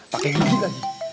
pakai ini lagi